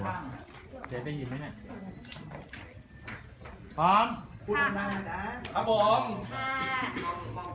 วันนี้รัฐภาคถามถึงความรู้สึก